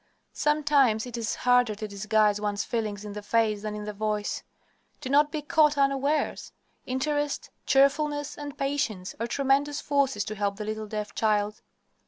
Sometimes it is harder to disguise one's feelings in the face than in the voice. Do not be caught unawares. Interest, cheerfulness, and patience are tremendous forces to help the little deaf child.